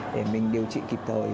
để mình điều trị kịp thời